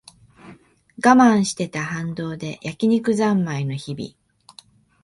我慢してた反動で焼き肉ざんまいの日々